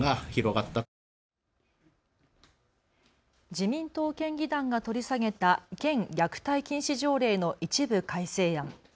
自民党県議団が取り下げた県虐待禁止条例の一部改正案。